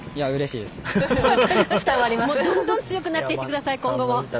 今後もどんどん強くなっていってください。